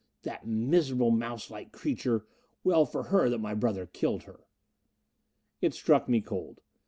"That miserable mouselike creature! Well for her that my brother killed her." It struck me cold.